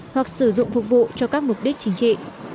hoặc sử dụng phục vụ cho các mục đích chính trị